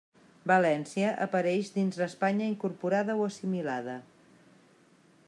València apareix dins l'«Espanya incorporada o assimilada».